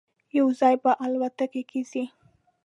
یو ځای به الوتکه کې ځی.